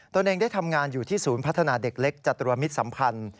ตัวเองได้ทำงานอยู่ที่ศูนย์พัฒนาเด็กเล็กจตุรมิตรสัมพันธ์